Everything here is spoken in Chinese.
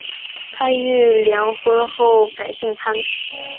潘玉良婚后改姓潘。